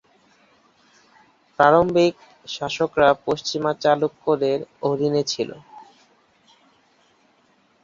প্রারম্ভিক শাসকরা পশ্চিমা চালুক্যদের অধীনে ছিল।